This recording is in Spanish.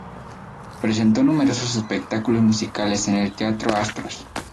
Presentó numerosos espectáculos musicales en el Teatro Astros.